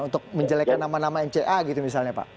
untuk menjelekan nama nama nca gitu misalnya pak